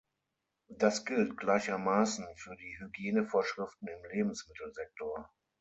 Das gilt gleichermaßen für die Hygienevorschriften im Lebensmittelsektor.